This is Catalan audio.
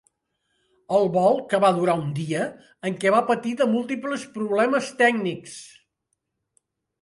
El vol, que va durar un dia, en què va patir de múltiples problemes tècnics.